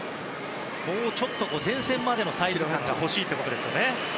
ちょっと前線までのサイズ感が欲しいということですね。